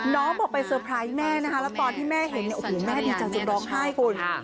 บอกไปเตอร์ไพรส์แม่นะคะแล้วตอนที่แม่เห็นเนี่ยโอ้โหแม่ดีใจจนร้องไห้คุณ